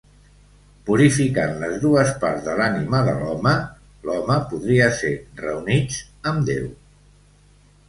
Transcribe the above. Purificant les dues parts de l'ànima de l'home, l'home podria ser reunits amb Déu.